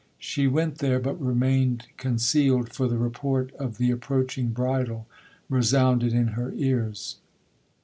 She went there, but remained concealed, for the report of the approaching bridal resounded in her ears.